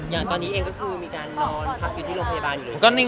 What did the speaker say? อย่างตอนนี้เองก็คือมีการนอนพักอยู่ที่โรงพยาบาลอยู่เลย